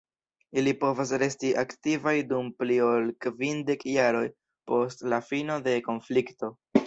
Ili povas resti aktivaj dum pli ol kvindek jaroj post la fino de konflikto.